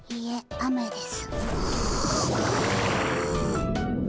雨です！